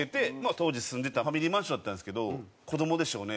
当時住んでたファミリーマンションだったんですけど子どもでしょうね。